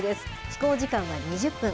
飛行時間は２０分。